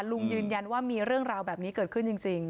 ยืนยันว่ามีเรื่องราวแบบนี้เกิดขึ้นจริง